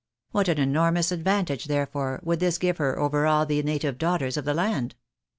What an enormous advantage, therefore, would this give her over all the native daughters of the land !